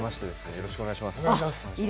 よろしくお願いします。